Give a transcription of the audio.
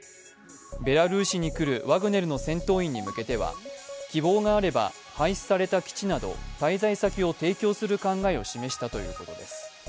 ベラルーシに来るワグネルの戦闘員に向けては、希望があれば廃止された基地など滞在先を提供する考えを示したということです。